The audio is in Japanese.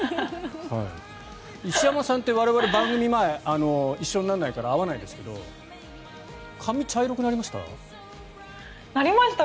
石山さんって我々番組前に一緒にならないから会わないですけど髪、茶色くなりました？